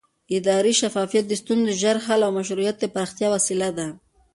اداري شفافیت د ستونزو د ژر حل او مشروعیت د پراختیا وسیله ده